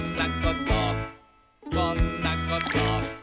「こんなこと」